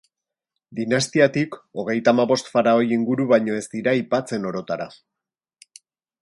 Dinastiatik, hogeita hamabost faraoi inguru baino ez dira aipatzen orotara.